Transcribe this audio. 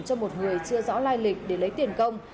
cho một người chưa rõ lai lịch để lấy tiền công